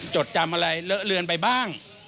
จดจำอะไรเลอะเลือนไปบ้าง